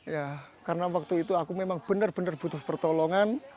ya karena waktu itu aku memang benar benar butuh pertolongan